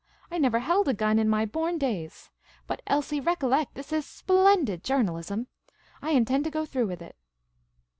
I never held a gun in my born days. But, Elsie, recollect, this is splendid journalism! I intend to go through with it."